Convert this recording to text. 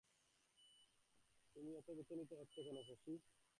তুমি এত বিচলিত হচ্ছ কেন শশী?